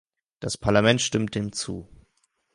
Das Parlament stimmt dem zu.